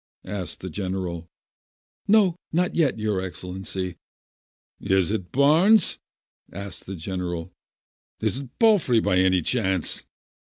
asked the gen eral "No, not yet, your Excellency !" "Is it Barnes?" asked the general, "Is it Palfrey, by any chance?"